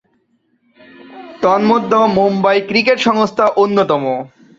তন্মধ্যে মুম্বই ক্রিকেট সংস্থা অন্যতম।